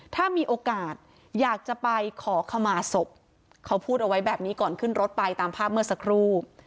ถ้ามีโอกาสอยากจะไปขอขมาศพเขาพูดเอาไว้แบบนี้ก่อนขึ้นรถไปตามภาพเมื่อสักครู่